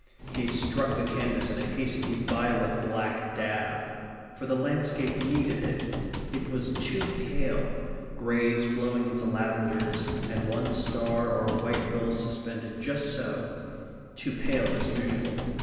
He struck the canvas a hasty violet black dab. For the landscape needed it. It was too pale greys flowing into lavenders, and one star or a white gull suspended just so too pale as usual.